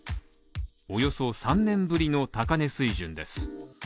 およそ３年ぶりの高値水準です。